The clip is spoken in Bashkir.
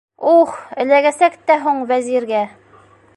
Ух, эләгәсәк тә һуң Вәзиргә!